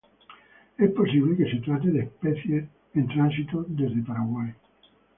Es posible que se trate de especímenes en tránsito desde Paraguay.